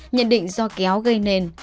nhận định do kéo gây nền